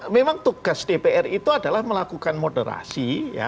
memang tugas dpr itu adalah melakukan moderasi